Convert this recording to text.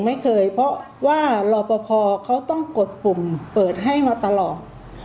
ไม่เคยเพราะว่ารอปภเขาต้องกดปุ่มเปิดให้มาตลอด